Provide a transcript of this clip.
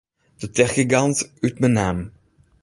De techgigant út Menaam.